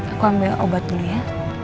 aku ambil obat dulu ya